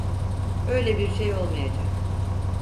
Öyle bir şey olmayacak.